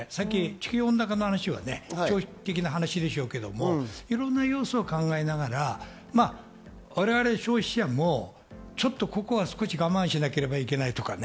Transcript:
地球温暖化の話は長期的でしょうけれど、いろんな要素を考えながら我々、消費者もここは少し我慢しなければいけないとかね。